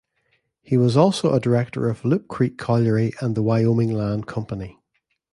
He was also a director of Loup Creek Colliery and the Wyoming Land Company.